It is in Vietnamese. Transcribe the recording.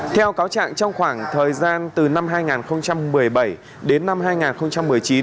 theo cáo trạng trong khoảng thời gian từ năm hai nghìn một mươi bảy đến năm hai nghìn một mươi chín